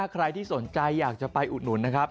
ใครที่สนใจอยากจะไปอุดหนุนนะครับ